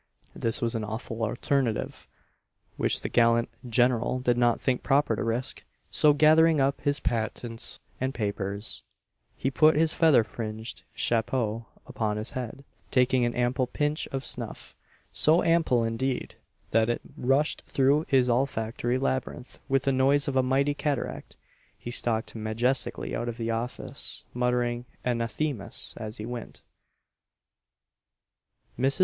This was an awful alternative, which the gallant "General" did not think proper to risk; so gathering up his patents and papers, he put his feather fringed chapeau upon his head, and taking an ample pinch of snuff so ample, indeed, that it rushed through his olfactory labyrinth with the noise of a mighty cataract he stalked majestically out of the office, muttering anathemas as he went. MRS.